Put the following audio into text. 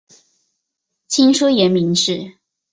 清初沿明制。